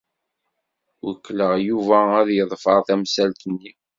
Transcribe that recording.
Wekkleɣ Yuba ad yeḍfer tamsalt-nni.